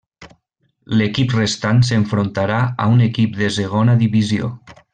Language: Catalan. L'equip restant s'enfrontarà a un equip de Segona Divisió.